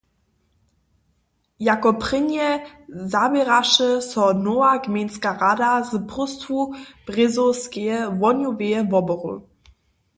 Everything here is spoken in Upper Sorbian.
Jako prěnje zaběraše so nowa gmejnska rada z próstwu Brězowskeje wohnjoweje wobory.